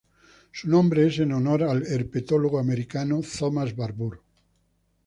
Su nombre es en honor al herpetólogo americano Thomas Barbour.